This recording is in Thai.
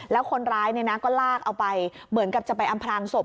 แล้วคนร้ายก็ลากเอาไปเหมือนกับจะไปอำพลางศพ